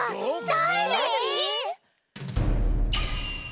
だれだち？